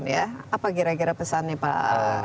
apa kira kira pesannya pak